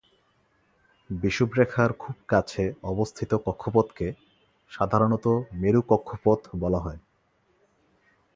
বিষুবরেখার খুব কাছে অবস্থিত কক্ষপথকে সাধারণত মেরু কক্ষপথ বলা হয়।